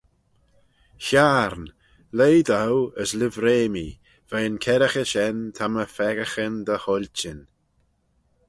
Hiarn leih dou as livrey mee, veih'n kerraghey shen ta my pheccaghyn dy hoilçhin.